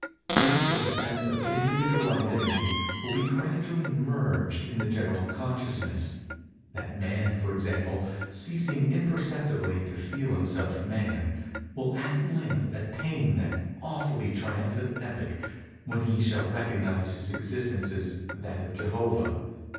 Think that the sense of individual identity will be gradually merged in the general consciousness—that Man, for example, ceasing imperceptibly to feel himself Man, will at length attain that awfully triumphant epoch when he shall recognize his existence as that of Jehovah.